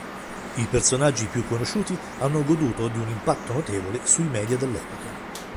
I personaggi più conosciuti hanno goduto di un impatto notevole sui media dell'epoca.